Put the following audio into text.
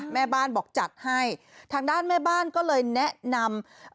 แม่บ้านบอกจัดให้ทางด้านแม่บ้านก็เลยแนะนำ